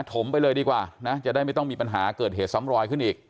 ไปเลยดีกว่านะจะได้ไม่ต้องมีปัญหาเกิดเหตุซ้ำรอยขึ้นอีก